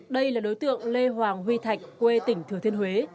đây là đối tượng lê hoàng huy thạch quê tỉnh thừa thiên huế